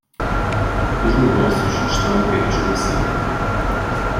Os negócios estão apenas começando